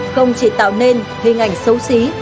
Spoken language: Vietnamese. không chỉ tạo nên hình ảnh xấu xí